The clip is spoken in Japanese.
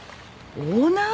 オーナー？